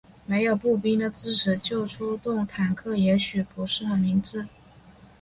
没有步兵的支持就出动坦克也许不是很明智。